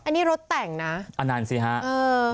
อันนี้รถแต่งนะอันนั้นสิฮะเออ